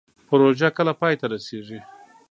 پروژه کله پای ته رسیږي؟